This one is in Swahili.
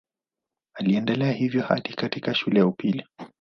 Aliendelea hivyo hadi katika shule ya upili.